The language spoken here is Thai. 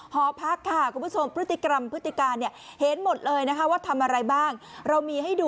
หอพักค่ะคุณผู้ชมพฤติกรรมพฤติการเนี่ย